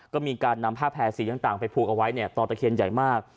ก็มีการนำผ้าแพร่สีต่างไปผูกเอาไว้ต่อตะเคียนใหญ่มาก